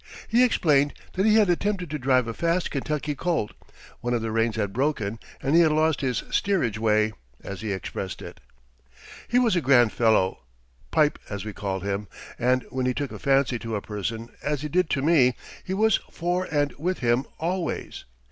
He explained that he had attempted to drive a fast Kentucky colt; one of the reins had broken and he had lost his "steerage way," as he expressed it. He was a grand fellow, "Pipe" as we called him, and when he took a fancy to a person, as he did to me, he was for and with him always.